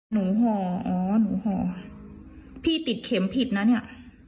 ห่ออ๋อหนูห่อพี่ติดเข็มผิดนะเนี่ย